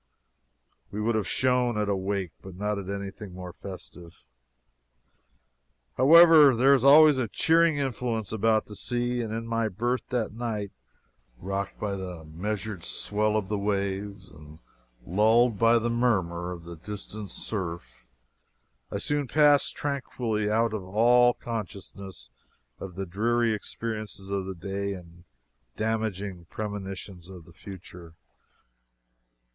We would have shone at a wake, but not at anything more festive. However, there is always a cheering influence about the sea; and in my berth that night, rocked by the measured swell of the waves and lulled by the murmur of the distant surf, I soon passed tranquilly out of all consciousness of the dreary experiences of the day and damaging premonitions of the future.